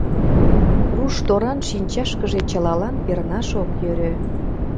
Руш торан шинчашкыже чылалан пернаш ок йӧрӧ...